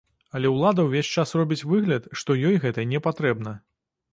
Але ўлада ўвесь час робіць выгляд, што ёй гэта не патрэбна.